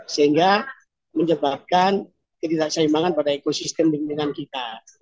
sehingga menyebabkan ketidakseimbangan pada ekosistem lingkungan kita